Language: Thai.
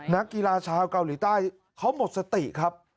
นักกีฬาชาวเกาหลีใต้เขาหมดสติครับ